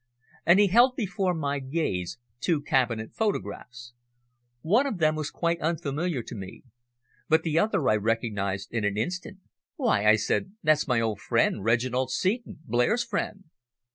And he held before my gaze two cabinet photographs. One of them was quite unfamiliar to me, but the other I recognised in an instant. "Why!" I said, "that's my old friend Reginald Seton Blair's friend."